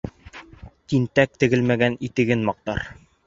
Тинтәк тегелмәгән итеген маҡтар.